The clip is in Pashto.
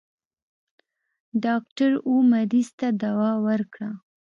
ډاکټر و مريض ته دوا ورکړه.